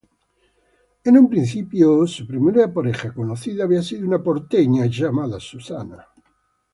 En sus principios, su primera pareja conocida había sido una porteña llamada Susana.